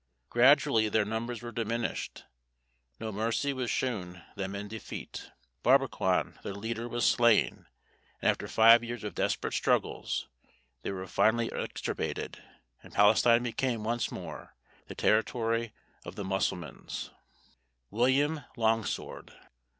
Gradually their numbers were diminished. No mercy was shewn them in defeat. Barbaquan their leader was slain; and after five years of desperate struggles, they were finally extirpated, and Palestine became once more the territory of the Mussulmans. [Illustration: WILLIAM LONGSWORD.